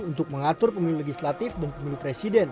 untuk mengatur pemilu legislatif dan pemilu presiden